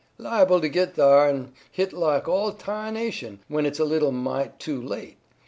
Liable to git thar, an' hit like all ta'nation, when it's a little mite too late.